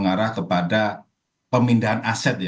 yang mengarah kepada pemindahan aset